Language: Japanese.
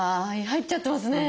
入っちゃってますね。